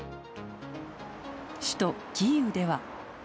首都キーウでは。